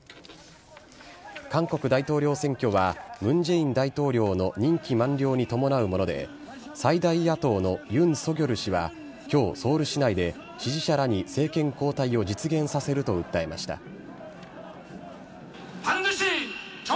韓国大統領選挙はムン・ジェイン大統領の任期満了に伴うもので、最大野党のユン・ソギョル氏はきょう、ソウル市内で支持者らに政権交代を実現させると訴えました。